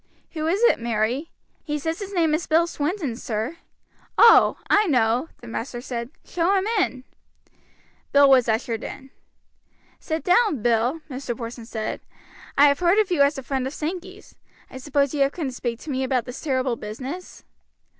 "Who is it, Mary?" "He says his name is Bill Swinton, sir." "Oh! I know," the master said; "show him in." Bill was ushered in. "Sit down, Bill," Mr. Porson said; "I have heard of you as a friend of Sankey's. I suppose you have come to speak to me about this terrible business?"